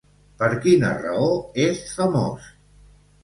Per quina raó és famós?